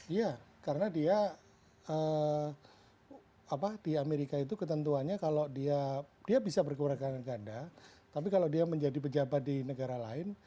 iya karena dia di amerika itu ketentuannya kalau dia bisa berkeluargaan dengan ganda tapi kalau dia menjadi pejabat di negara lain